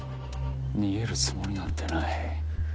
逃げるつもりなんてない。